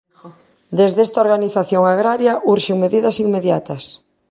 Desde esta organización agraria urxen medidas inmediatas.